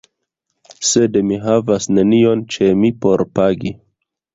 Sed mi havas nenion ĉe mi por pagi.